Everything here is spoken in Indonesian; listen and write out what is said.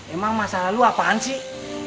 emang masalah lu apaan sih